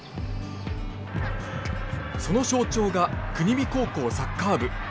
その象徴が国見高校サッカー部。